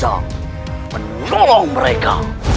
yang bisa menolong mereka